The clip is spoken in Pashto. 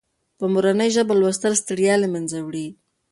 په مورنۍ ژبه لوستل ستړیا له منځه وړي.